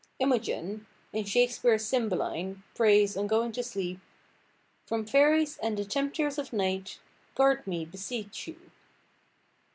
Imogen, in Shakespeare's Cymbeline, prays, on going to sleep— "From fairies, and the tempters of the night, Guard me, beseech you."